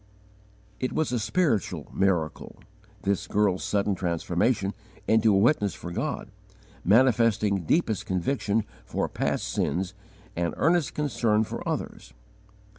It was a spiritual miracle this girl's sudden transformation into a witness for God, manifesting deepest conviction for past sin and earnest concern for others.